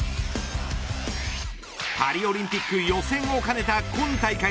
パリオリンピック予選を兼ねた今大会